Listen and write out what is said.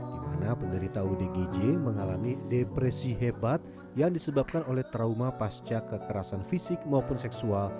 di mana penderita odgj mengalami depresi hebat yang disebabkan oleh trauma pasca kekerasan fisik maupun seksual